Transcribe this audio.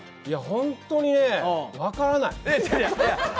いや、本当にね、分からない。